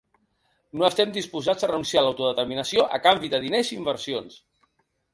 No estem disposats a renunciar a l’autodeterminació a canvi de diners i inversions.